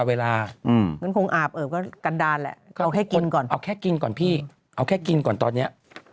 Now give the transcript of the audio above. เอาแค่กินก่อนพี่เอาแค่กินก่อนตอนนี้